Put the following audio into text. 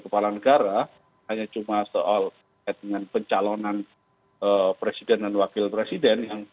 kepala negara hanya cuma soal pencalonan presiden dan wakil presiden yang